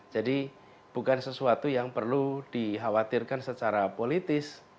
jadi bukan sesuatu yang perlu dikhawatirkan secara politik